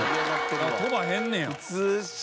飛ばへんねや。